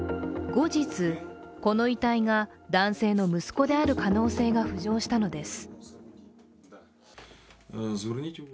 後日、この遺体が男性の息子である可能性が浮上したのです。